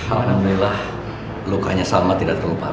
alhamdulillah lukanya salma tidak terlupar